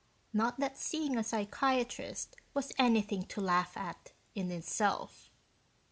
Not that seeing a psychiatrist was anything to laugh at, in itself.